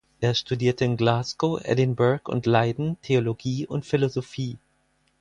Er studierte in Glasgow, Edinburgh und Leiden Theologie und Philosophie.